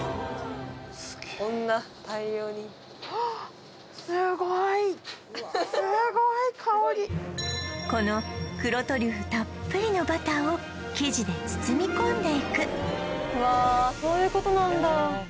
こんな大量にこの黒トリュフたっぷりのバターを生地で包み込んでいくわあそういうことなんだ